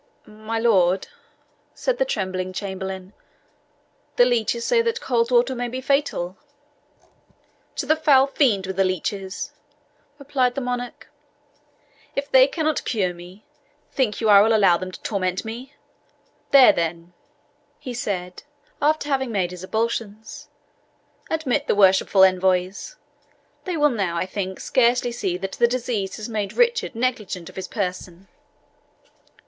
"My lord," said the trembling chamberlain, "the leeches say that cold water may be fatal." "To the foul fiend with the leeches!" replied the monarch; "if they cannot cure me, think you I will allow them to torment me? There, then," he said, after having made his ablutions, "admit the worshipful envoys; they will now, I think, scarcely see that disease has made Richard negligent of his person."